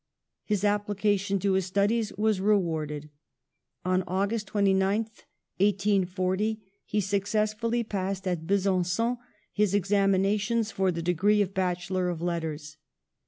His ap plication to his studies was rewarded. On Au gust 29th, 1840, he successfully passed, at BesanQon, his examinations for the degree of bachelor of letters.